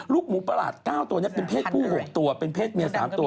หมูประหลาด๙ตัวนี้เป็นเพศผู้๖ตัวเป็นเพศเมีย๓ตัว